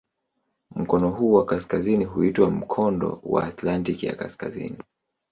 Mkono huu wa kaskazini huitwa "Mkondo wa Atlantiki ya Kaskazini".